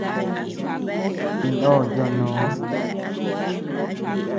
Chinó yoo noo.